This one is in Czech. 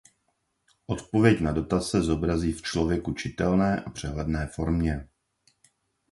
Odpověď na dotaz se zobrazí v člověku čitelné a přehledné formě.